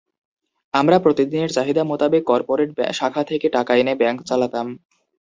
আমরা প্রতিদিনের চাহিদা মোতাবেক করপোরেট শাখা থেকে টাকা এনে ব্যাংক চালাতাম।